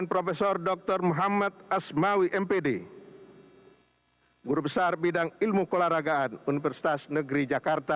prof dr muhammad asmawi m pedi guru besar bidang ilmu kolaragaan universitas negeri jakarta